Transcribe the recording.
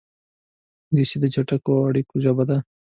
انګلیسي د چټکو اړیکو ژبه ده